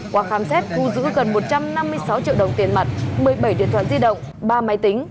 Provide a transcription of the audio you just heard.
qua khám xét thu giữ gần một trăm năm mươi sáu triệu đồng tiền mặt một mươi bảy điện thoại di động ba máy tính